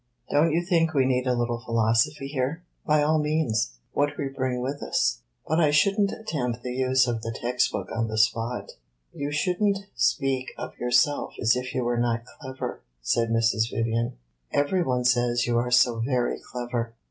"Don't you think we need a little philosophy here?" "By all means what we bring with us. But I should n't attempt the use of the text book on the spot." "You should n't speak of yourself as if you were not clever," said Mrs. Vivian. "Every one says you are so very clever."